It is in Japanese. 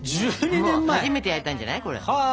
初めて焼いたんじゃない？